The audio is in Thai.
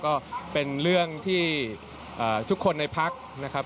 ก็เป็นเรื่องที่ทุกคนในพักนะครับ